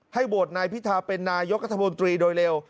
ให้โบสถ์นายพิทาเป็นนายกธมนตรีโดยเร็ว